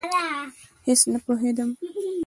هېڅ نه پوهېدم.